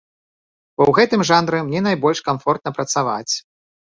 Бо ў гэтым жанры мне найбольш камфортна працаваць.